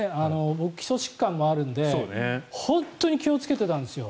僕、基礎疾患もあるので本当に気をつけていたんですよ。